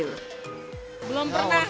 belum pernah main